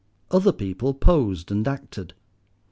Other people posed and acted.